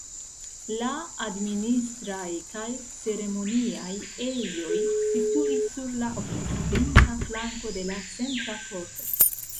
La administraj kaj ceremoniaj ejoj situis sur la okcidenta flanko de la centra korto.